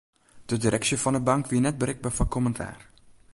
De direksje fan 'e bank wie net berikber foar kommentaar.